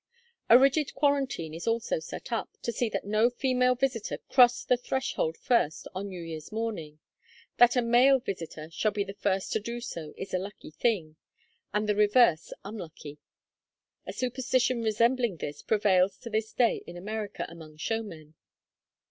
A rigid quarantine is also set up, to see that no female visitor cross the threshold first on New Year's morning; that a male visitor shall be the first to do so is a lucky thing, and the reverse unlucky. A superstition resembling this prevails to this day in America among showmen.